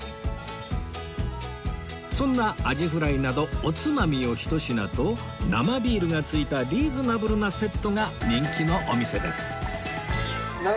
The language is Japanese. そんなアジフライなどおつまみをひと品と生ビールがついたリーズナブルなセットが人気のお店です